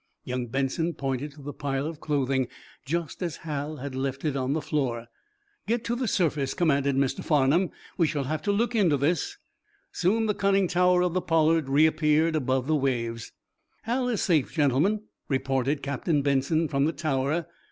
Young Benson pointed to the pile of clothing, just as Hal had left it on the floor. "Get to the surface," commanded Mr. Farnum. "We shall have to look into this." Soon the conning tower of the "Pollard" reappeared above the waves. "Hal is safe, gentlemen," reported Captain Benson, from the tower.